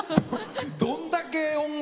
どんだけ音楽の。